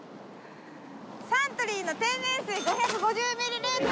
サントリーの天然水５５０ミリリットル！